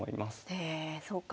へえそうか